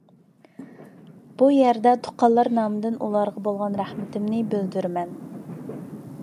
مەن بۇ يەردە تۇغقانلار نامىدىن ئۇلارغا بولغان رەھمىتىمنى بىلدۈرىمەن.